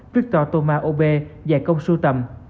victor toma obe giải công sưu tầm